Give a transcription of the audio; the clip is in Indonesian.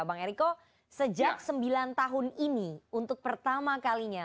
bang eriko sejak sembilan tahun ini untuk pertama kalinya